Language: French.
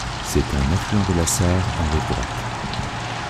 C'est un affluent de la Sarre en rive droite.